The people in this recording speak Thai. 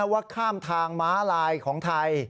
ว่าข้ามทางม้าลายของไทย